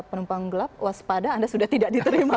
penumpang gelap waspada anda sudah tidak diterima